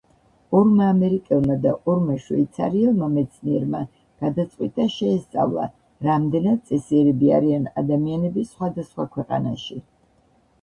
ორმა ამერიკელმა და ორმა შვეიცარიელმა მეცნიერმა, გადაწყვიტა შეესწავლა, რამდენად წესიერები არიან ადამიანები სხვადასხვა ქვეყანაში.